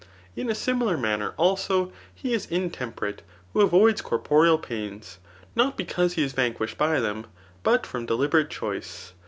In a mmi lar maimer, also, he is intemperate, who avoids corporeal pains, not because he is vanquished by them, but from deliberate choice.